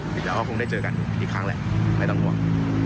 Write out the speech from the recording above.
เดี๋ยวก็คงได้เจอกันอีกครั้งแหละไม่ต้องห่วง